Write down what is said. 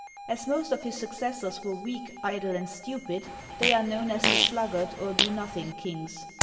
As most of his successors were weak, idle, and stupid, they are known as the Sluggard, or Do nothing, Kings.